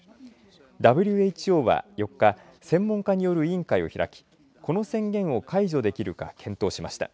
ＷＨＯは４日専門家による委員会を開きこの宣言を解除できるか検討しました。